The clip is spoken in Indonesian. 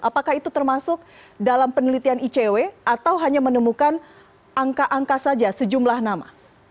apakah itu termasuk dalam penelitian icw atau hanya menemukan angka angka saja sejumlah nama